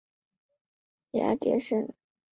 芽叠生。